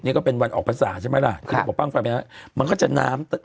เนี้ยก็เป็นวันออกภักษาใช่ไหมล่ะค่ะประป้างฟังงานมันก็จะน้ำแต่